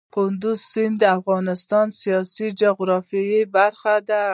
کندز سیند د افغانستان د سیاسي جغرافیه برخه ده.